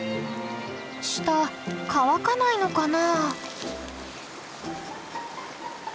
舌乾かないのかな？